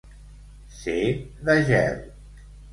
Ser de gel.